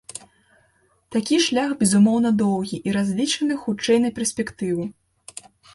Такі шлях, безумоўна, доўгі, і разлічаны, хутчэй, на перспектыву.